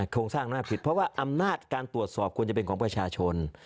โครงสร้างอำนาจผิดเพราะว่าอำนาจการตรวจสอบควรจะเป็นของประชาชน